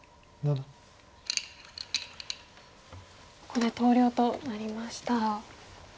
ここで投了となりました。